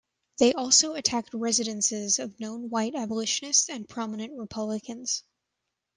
They also attacked residences of known white abolitionists and prominent Republicans.